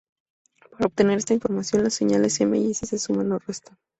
Para obtener esta información las señales M y S se suman o restan.